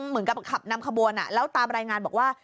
เหมือนกับขับนำขบวนแล้วตามรายงานบอกว่า